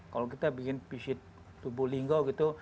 kalau kita bikin visit lubuk lingga gitu